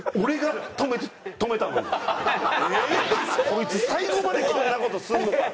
こいつ最後までこんな事すんのかと。